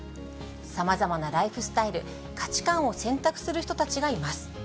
さまざまなライフスタイル、価値観を選択する人たちがいます。